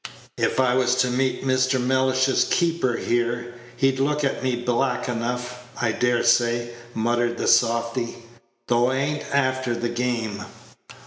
"If I was to meet Mr. Mellish's keeper here, he'd look at me black enough, I dare say," muttered the softy, "though I a'n't after the game.